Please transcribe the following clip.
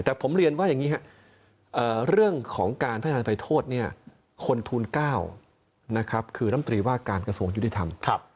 แต่ผมเรียนว่าอย่างนี้ครับเรื่องของการพัฒนาภัยโทษคนทูล๙คือรำตรีว่าการกระทรวงยุติธรรม